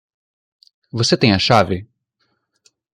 Você tem a chave?